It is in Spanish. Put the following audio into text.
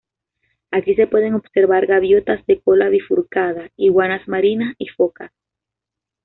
Aquí se pueden observar gaviotas de cola bifurcada, iguanas marinas y focas.